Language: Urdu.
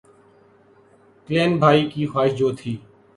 کلن بھائی کی خواہش جوتی